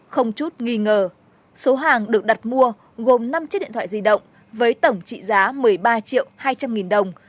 không chút nghi ngờ số hàng được đặt mua gồm năm chiếc điện thoại di động với tổng trị giá một mươi ba triệu hai trăm linh nghìn đồng